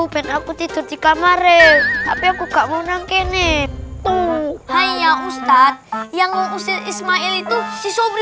ben aku tidur di kamar tapi aku gak mau nangkep hai ya ustadz yang usir ismail itu si sobri